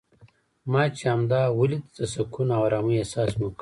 ما چې همدا ولید د سکون او ارامۍ احساس مې وکړ.